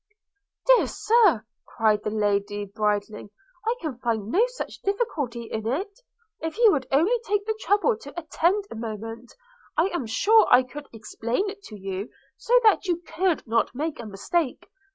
'Dear Sir,' cried the lady bridling, 'I can find no such difficulty in it. If you would only take the trouble to attend a moment, I am sure I could explain it to you, so that you could not make a mistake.